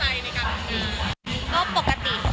มันเหมือนกับมันเหมือนกับมันเหมือนกับ